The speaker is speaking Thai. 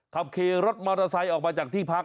ขับขี่รถมอเตอร์ไซค์ออกมาจากที่พัก